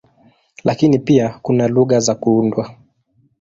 Lakini pia kuna lugha za kuundwa.